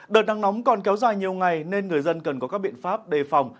đợt nắng nóng còn kéo dài nhiều ngày nên người dân cần có các biện pháp đề phòng